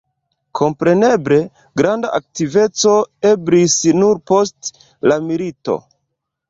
Kompreneble, granda aktiveco eblis nur post la milito.